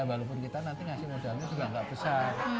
walaupun kita nanti ngasih modalnya juga nggak besar